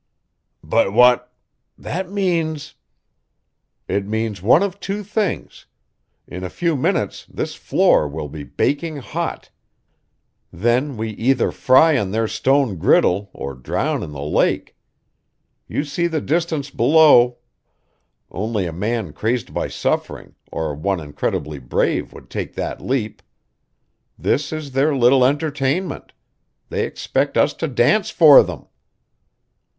"But what that means " "It means one of two things. In a few minutes this floor will be baking hot. Then we either fry on their stone griddle or drown in the lake. You see the distance below only a man crazed by suffering or one incredibly brave would take that leap. This is their little entertainment they expect us to dance for them."